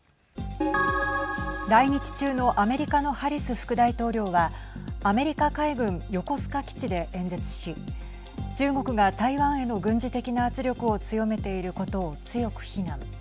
来日中のアメリカのハリス副大統領はアメリカ海軍横須賀基地で演説し中国が台湾への軍事的な圧力を強めていることを強く非難。